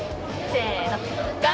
せの。